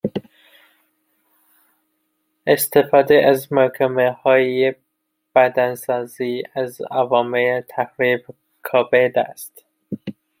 استفاده از مکملهای بدنسازی از عوامل تخریب کبد است